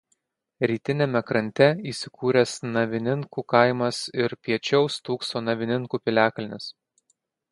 Rytiniame krante įsikūręs Navininkų kaimas ir piečiau stūkso Navininkų piliakalnis.